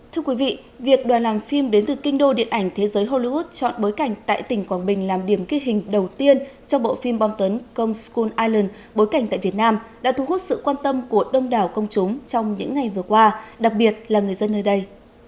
thưa quý vị việc đoàn làm phim đến từ kinh đô điện ảnh thế giới hollywood chọn bối cảnh tại tỉnh quảng bình làm điểm ghi hình đầu tiên cho bộ phim bom tấn công scon ireland bối cảnh tại việt nam đã thu hút sự quan tâm của đông đảo công chúng trong những ngày vừa qua đặc biệt là người dân nơi đây